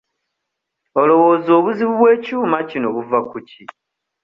Olowooza obuzibu bw'ekyuma kino buva ku ki?